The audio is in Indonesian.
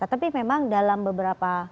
tetapi memang dalam beberapa